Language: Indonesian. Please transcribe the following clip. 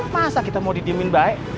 masa kita mau didiemin baik